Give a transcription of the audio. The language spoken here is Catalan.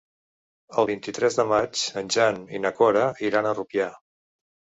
El vint-i-tres de maig en Jan i na Cora iran a Rupià.